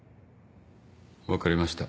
分かりました。